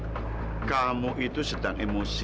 karena kamu itu sedang emosi